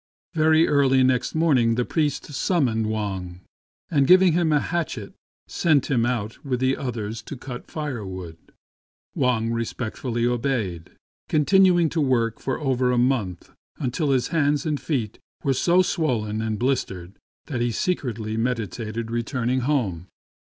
Very early next morning the priest sum moned Wang, and giving him a hatchet sent him out with the others to cut firewood. Wang respectfully obeyed, continuing to work for over a month until his hands and feet were so swollen and blistered that he secretly meditated returning home.